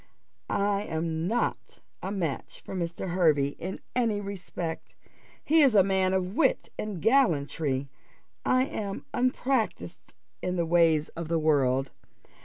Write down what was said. I am not a match for Mr. Hervey in any respect. He is a man of wit and gallantry I am unpractised in the ways of the world.